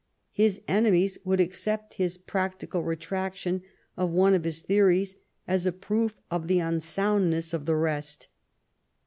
His enemies would accept his practical retraction of one of his theories as a proof of the unsoundness of the rest.